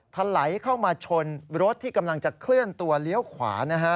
ถลายเข้ามาชนรถที่กำลังจะเคลื่อนตัวเลี้ยวขวานะฮะ